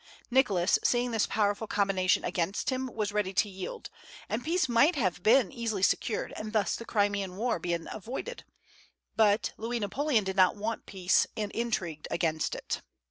Nicholas, seeing this powerful combination against him, was ready to yield, and peace might have been easily secured, and thus the Crimean war been avoided; but Louis Napoleon did not want peace, and intrigued against it.